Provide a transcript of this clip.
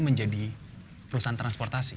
menjadi perusahaan transportasi